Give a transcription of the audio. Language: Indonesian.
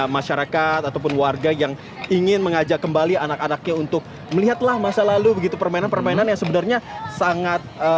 masyarakat ataupun warga yang ingin mengajak kembali anak anaknya untuk melihatlah masa lalu begitu permainan permainan yang sebenarnya sangat